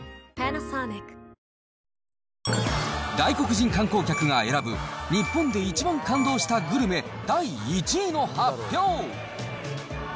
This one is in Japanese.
外国人観光客が選ぶ、日本で一番感動したグルメ、第１位の発表。